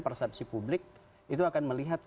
persepsi publik itu akan melihat